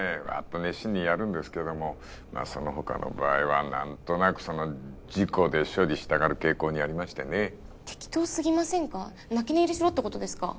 熱心にやるんですけれどもその他の場合は何となく事故で処理したがる傾向にありましてね適当すぎませんか泣き寝入りしろってことですか？